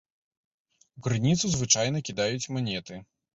У крыніцу звычайна кідаюць манеты.